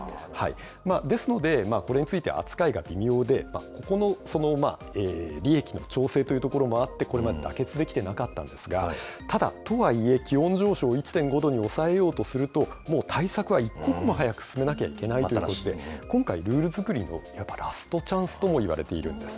ですので、これについては扱いが微妙で、ここの利益の調整というところもあって、これまで妥結できてなかったんですが、ただ、とはいえ、気温上昇を１．５度に抑えようとすると、もう対策は一刻も早く進めなきゃいけないということで、今回、ルール作りのラストチャンスともいわれているんです。